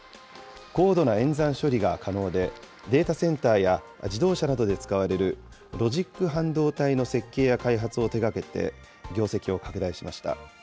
高度な演算処理が可能で、データセンターや自動車などで使われるロジック半導体の設計や開発を手がけて業績を拡大しました。